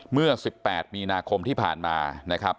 เมื่อ๑๘มีนาคมที่ผ่านมานะครับ